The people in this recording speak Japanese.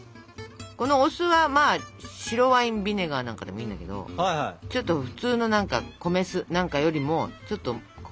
このお酢はまあ白ワインビネガーなんかでもいいんだけどちょっと普通の米酢なんかよりもちょっとこういう。